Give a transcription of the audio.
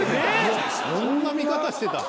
そんな見方してた？